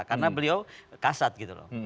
karena beliau kasat gitu loh